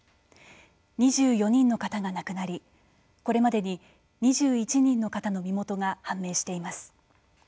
２４人の方が亡くなりこれまでに２１人の方の身元が判明しています。